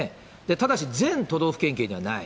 ただし、全都道府県警にはない。